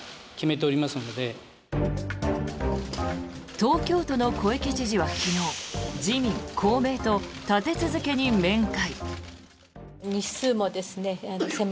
東京都の小池知事は昨日自民・公明と立て続けに面会。